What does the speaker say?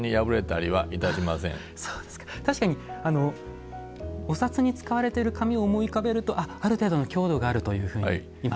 確かにお札に使われている紙を思い浮かべるとあっある程度の強度があるというふうに今安心いたしました。